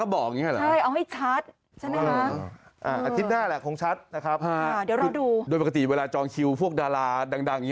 เดี๋ยวเราดูโดยปกติเวลาจองคิวพวกดาราดังอย่างนี้